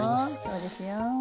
そうですよ。